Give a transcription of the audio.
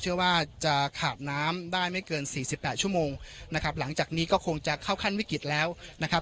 เชื่อว่าจะขาดน้ำได้ไม่เกินสี่สิบแปดชั่วโมงนะครับหลังจากนี้ก็คงจะเข้าขั้นวิกฤตแล้วนะครับ